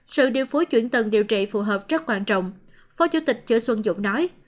sự điều phối chuyển tầng điều trị phù hợp rất quan trọng phó chủ tịch chữ xuân dũng nói